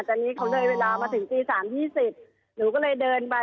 ตอนนี้เขาเลยเวลามาถึงตี๓๒๐หนูก็เลยเดินไป